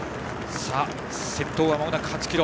先頭はまもなく８ｋｍ。